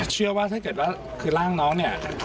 เชื่อว่าถ้าเกิดว่าคือร่างน้องเนี่ย